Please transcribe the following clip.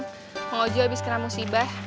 mang ojo abis kena musibah